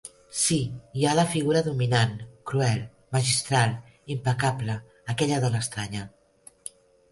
Sí, hi ha la figura dominant - cruel, magistral, implacable - aquella dona estranya.